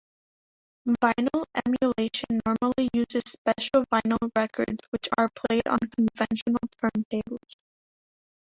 Vinyl emulation normally uses special vinyl records which are played on conventional turntables.